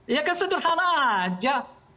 ya kan sederhana aja